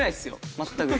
全く。